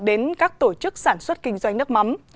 đến các tổ chức sản xuất kinh doanh nước mắm